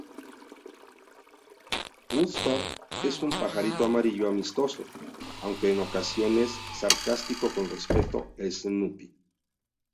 Woodstock es un pajarito amarillo amistoso, aunque en ocasiones sarcástico con respecto a Snoopy.